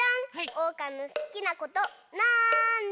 おうかのすきなことなんだ？